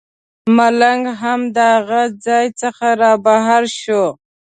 ملنګ هم د هغه ځای څخه رابهر شو.